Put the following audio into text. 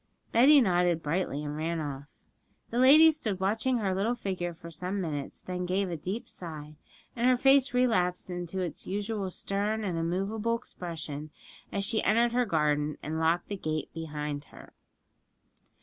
Betty nodded brightly, and ran off. The lady stood watching her little figure for some minutes, then she gave a deep sigh, and her face relapsed into its usual stern and immovable expression as she entered her garden and locked the gate behind her.